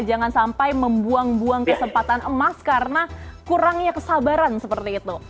jangan sampai membuang buang kesempatan emas karena kurangnya kesabaran seperti itu